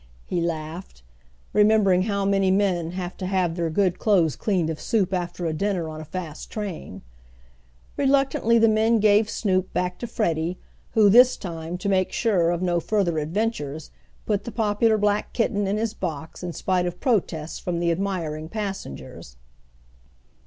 he laughed, remembering how many men have to have their good clothes cleaned of soup after a dinner on a fast train. Reluctantly the men gave Snoop back to Freddie, who, this time, to make sure of no further adventures, put the popular black kitten in his box in spite of protests from the admiring passengers.